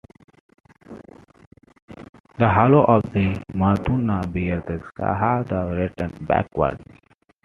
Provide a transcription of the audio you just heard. The halo of the Madonna bears the Shahada written backwards.